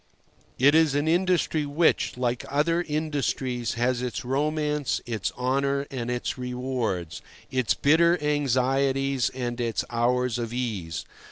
It is an industry which, like other industries, has its romance, its honour and its rewards, its bitter anxieties and its hours of ease.